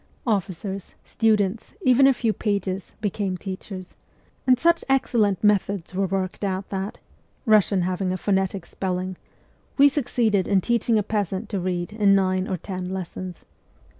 Officers, students, even a few pages, became teachers ; and such excellent methods were worked out that (Eussian having a phonetic spelling) we succeeded in teaching a peasant to read in nine or ten lessons.